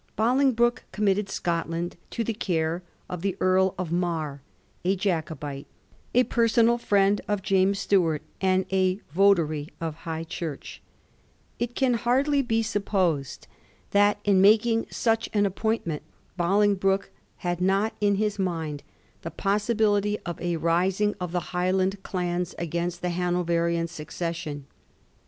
Bolingbroke committed Scotland to the care of the Earl of Mar, a Jacobite, a personal friend of James Stuart, and a votary of High Church. It can hardly be supposed b2 Digiti zed by Google 52 A mSTORY OF THE FOUR GEORGES. oh. m. that in making such an appointment Bolingbroke had not in his mind the possibility of a rising of the Highland clans against the Hanoverian succession.